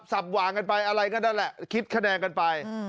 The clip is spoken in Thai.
หว่างกันไปอะไรก็นั่นแหละคิดคะแนนกันไป